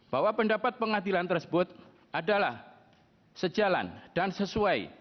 bahwa pendapat pengadilan tersebut adalah sejalan dan sesuai